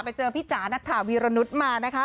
ไปเจอพี่จ๋านัทถาวีรนุษย์มานะคะ